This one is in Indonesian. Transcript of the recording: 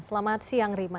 selamat siang rima